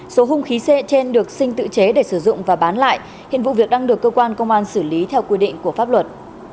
số hung khí c trên được sinh tự chế để sử dụng và bán lại hiện vụ việc đang được cơ quan công an xử lý theo quy định của pháp luật